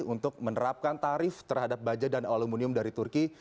untuk menerapkan tarif terhadap baja dan aluminium dari turki